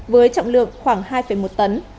với trọng lượng khoảng hai một tấn